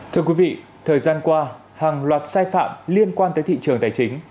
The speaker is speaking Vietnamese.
thưa quý vị thời gian qua hàng loạt sai phạm liên quan tới thị trường tài chính